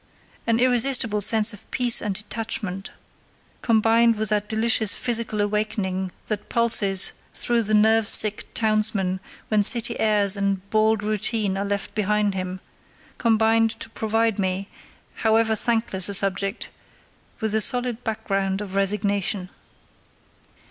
An irresistible sense of peace and detachment, combined with that delicious physical awakening that pulses through the nerve sick townsman when city airs and bald routine are left behind him, combined to provide me, however thankless a subject, with a solid background of resignation.